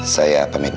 sama umpamu itu